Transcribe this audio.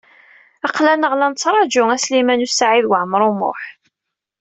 Aql-aneɣ la nettṛaju a Sliman U Saɛid Waɛmaṛ U Muḥ.